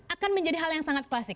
akan menjadi hal yang sangat klasik